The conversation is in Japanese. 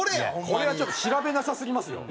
これはちょっと調べなさすぎますよ